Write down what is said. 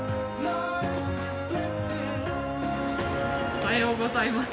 おはようございます。